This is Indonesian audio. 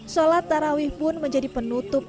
sholat tarawih pun menjadi penutup